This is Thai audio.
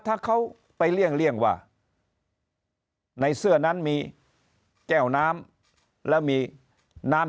ถ้าเขาไปเลี่ยงว่าในเสื้อนั้นมีแก้วน้ำแล้วมีน้ำ